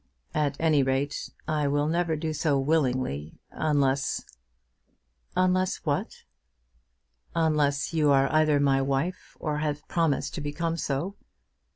"At any rate, I will never do so willingly, unless " "Unless what?" "Unless you are either my wife, or have promised to become so."